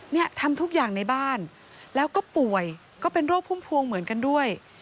เนี่ยทำทุกอย่างในบ้านแล้วก็ป่วยก็เป็นโรคพุ่มพวงเหมือนกันด้วย